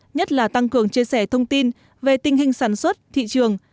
nhất là tăng cường chia sẻ thông tin về tình hình sản xuất thị trường